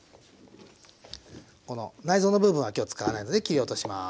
この内臓の部分は今日使わないので切り落とします。